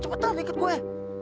cepetan ikat gue